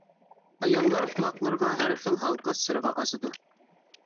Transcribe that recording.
ئاياللار قۇلاقلىرىغا ھەر خىل ھالقا، سىرغا ئاسىدۇ.